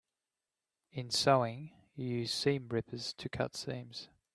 In sewing, you use seam rippers to cut seams.